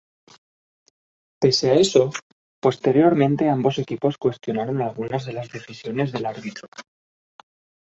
Pese a eso, posteriormente ambos equipos cuestionaron algunas de las decisiones del árbitro.